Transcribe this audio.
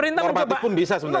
normatif pun bisa sebenarnya